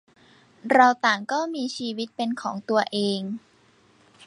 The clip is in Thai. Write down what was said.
เราต่างก็มีชีวิตเป็นของตัวเอง